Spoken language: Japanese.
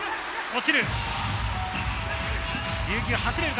落ちる。